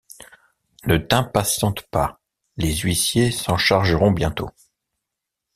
Ne t’impatiente pas, les huissiers s’en chargeront bientôt.